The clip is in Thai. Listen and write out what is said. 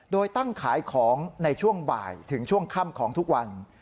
โดยตั้งขายของในช่วงบ่ายถึงช่วงค่ำของทุกวัน